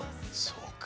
そうか。